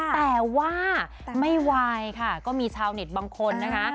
แต่ว่าไม่ไหวค่ะก็มีชาวเน็ตบางคนนะคะ